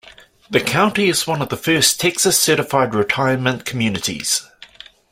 The county is one of the first Texas Certified Retirement Communities.